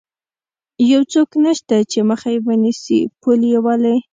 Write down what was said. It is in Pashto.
یو څوک نشته چې مخه یې ونیسي، پل یې ولې.